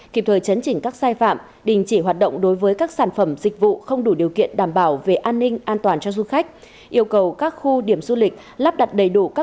kịp thời chấn chỉnh các sai phạm đình chỉ hoạt động đối với các sản phẩm dịch vụ không đủ điều kiện đảm bảo về an ninh an toàn cho du khách yêu cầu các khu điểm du lịch lắp đặt đầy đủ các